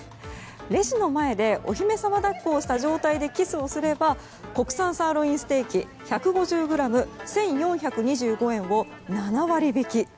レジの前でお姫様抱っこをした状態でキスをすれば国産サーロインステーキ１５０ｇ、１４２５円を７割引き。